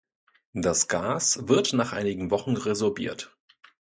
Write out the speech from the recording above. Das Gas wird nach einigen Wochen resorbiert.